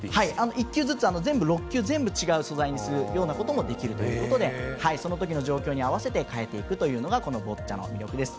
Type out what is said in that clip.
１球ずつ全部違う素材にすることもできるということでそのときの状況に合わせて変えていくというのがこのボッチャの魅力です。